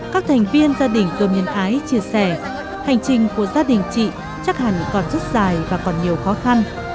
các thành viên gia đình gồm nhân ái chia sẻ hành trình của gia đình chị chắc hẳn còn rất dài và còn nhiều khó khăn